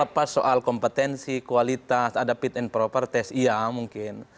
apa soal kompetensi kualitas ada fit and proper test iya mungkin